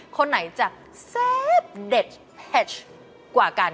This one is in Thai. คนไหนจะแซ่บเดจกว่ากัน